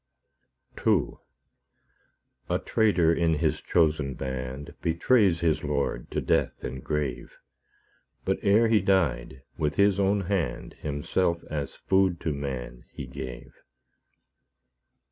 II A traitor in His chosen band Betrays his Lord to death and grave; But ere He died, with His own hand Himself as food to man He gave.